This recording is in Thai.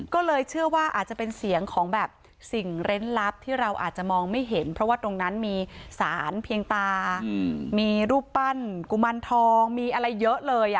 ก็เลยเชื่อว่าอาจจะเป็นเสียงของแบบสิ่งเล่นลับที่เราอาจจะมองไม่เห็นเพราะว่าตรงนั้นมีสารเพียงตามีรูปปั้นกุมารทองมีอะไรเยอะเลย